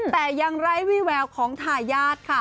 แต่ยังไร้วี่แววของทายาทค่ะ